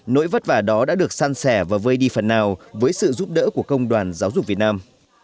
nỗi vất vả đó đã được san sẻ và vơi đi phần nào với sự giúp đỡ của công đoàn giáo dục việt nam